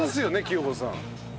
聖子さん。